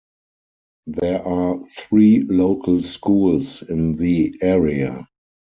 There are three local schools in the area.